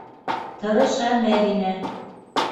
Тырыша Мәҙинә.